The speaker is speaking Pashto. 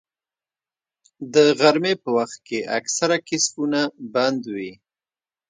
د غرمې په وخت کې اکثره کسبونه بنده وي